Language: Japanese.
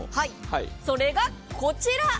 それがこちら。